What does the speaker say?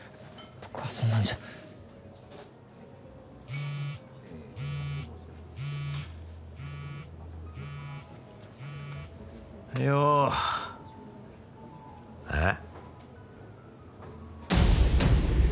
僕はそんなんじゃはいよえっ？